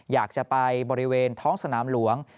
อยากจะไปบริเวณท้องสนามหลวง